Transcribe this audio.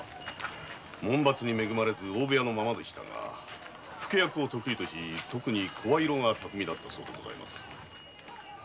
門閥に恵まれず大部屋のままでしたが老け役を得意としとくに声色が巧みだったそうでございます。